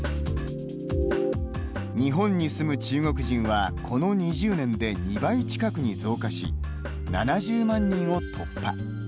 日本に住む中国人はこの２０年で２倍近くに増加し７０万人を突破。